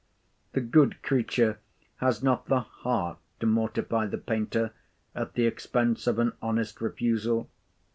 The good creature has not the heart to mortify the painter at the expense of an honest refusal.